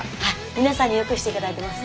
皆さんによくして頂いてます。